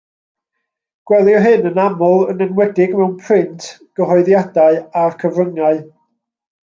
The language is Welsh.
Gwelir hyn yn aml, yn enwedig mewn print, gyhoeddiadau, a'r cyfryngau.